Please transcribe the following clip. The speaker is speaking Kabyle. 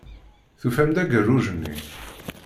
Tufam-d agerruj-nni?